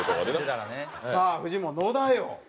さあフジモン野田よ。